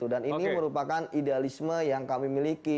dan ini merupakan idealisme yang kami miliki